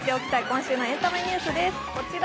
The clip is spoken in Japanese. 今週のエンタメニュースです。